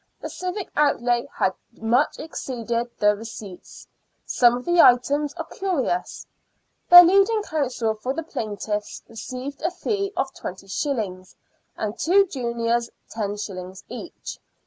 The civic outlay had much exceeded the receipts. Some of the items are curious. The leading counsel for the plaintiffs received a fee of 20s., and two juniors los. each.